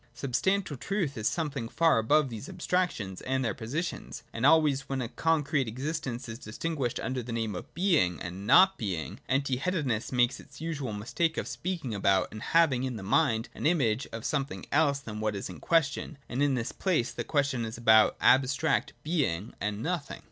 Substantial truth is something far above these abstrac tions and their oppositions. — And always when a con crete existence is disguised under the name of Being and not Being, empty headedness makes its usual mis take of speaking about, and having in the mind an image of, something else than what is in question : and in this place the question is about abstract Being and Nothing.